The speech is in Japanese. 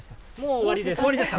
終わりですか。